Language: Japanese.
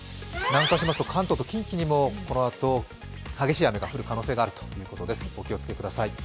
南下しますと関東と近畿にもこのあと激しい雨が降る可能性があるということです、お気をつけください。